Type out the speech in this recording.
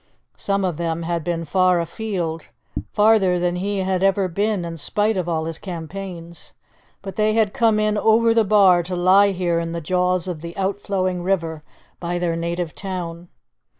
Some of them had been far afield, farther than he had ever been, in spite of all his campaigns, but they had come in over the bar to lie here in the jaws of the outflowing river by their native town.